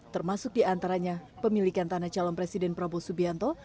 termasuk di antaranya pemilikan tanah calon presiden prabowo subianto